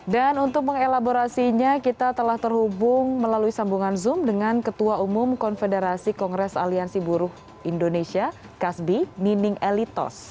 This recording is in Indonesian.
dan untuk mengelaborasinya kita telah terhubung melalui sambungan zoom dengan ketua umum konfederasi kongres aliansi buruh indonesia kasbi nining elitos